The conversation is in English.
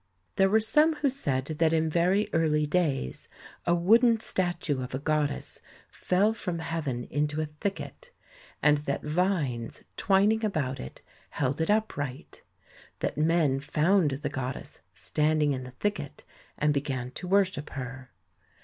There were some who said that in very early days a wooden statue of a goddess fell from heaven into a thicket, and that vines, twining about it, held it upright ; that men found the goddess stand ing in the thicket and began to worship her.